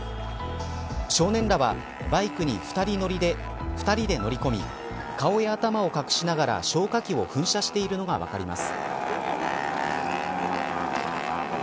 少年らは、バイクに２人で乗り込み顔や頭を隠しながら消火器を噴射しているのが分かります。